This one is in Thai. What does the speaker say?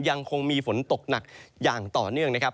ยังคงมีฝนตกหนักอย่างต่อเนื่องนะครับ